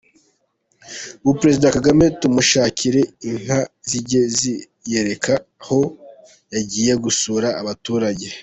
Ubu Perezida Kagame tumushakire inka zijye ziyereka aho yagiye gusura abaturage?